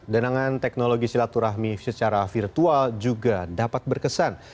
dan dengan teknologi silaturahmi secara virtual juga dapat berkesan